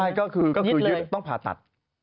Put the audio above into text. ใช่ก็คือต้องผ่าตัด